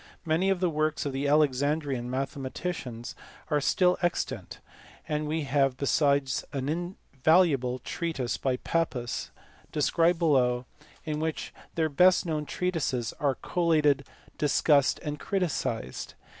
Many of the works of the Alexandrian mathematicians are still extant; and we have besides an invaluable treatise by Pappus, described below, in EUCLID. 53 which their best known treatises are collated, discussed, and criticized.